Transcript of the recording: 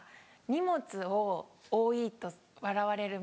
荷物が多いと笑われる？